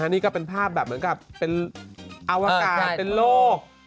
นี่ก็เป็นภาพแบบเหมือนกับเป็นอวกาศเป็นโรค